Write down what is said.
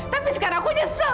tapi sekarang aku nyesel